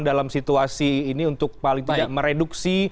dalam situasi ini untuk paling tidak mereduksi